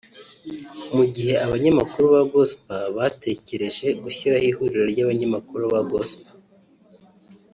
Mu gihe abanyamakuru ba gospel batekereje gushyiraho ihuriro ry’ abanyamakuru ba gospel